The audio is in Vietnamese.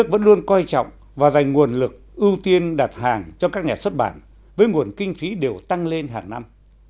việc nhà nước đặt hàng cho các nhà xuất bản với nguồn kinh phí đều tăng lên hàng năm